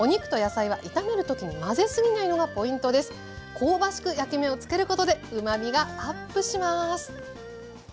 香ばしく焼き目をつけることでうまみがアップします。